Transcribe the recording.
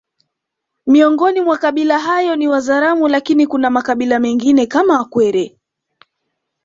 Miongoni mwa kabila hayo ni Wazaramo lakini kuna makabila mengine kama wakwere